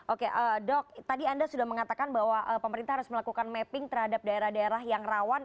oke dok tadi anda sudah mengatakan bahwa pemerintah harus melakukan mapping terhadap daerah daerah yang rawan